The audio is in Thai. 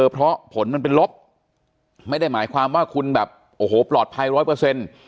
เพราะผลมันเป็นลบไม่ได้หมายความว่าคุณแบบโอ้โหปลอดภัยร้อยเปอร์เซ็นต์